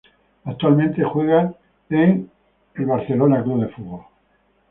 Actualmente juega en Atlanta Hawks.